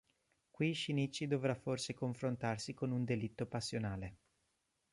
Qui Shinichi dovrà forse confrontarsi con un delitto passionale.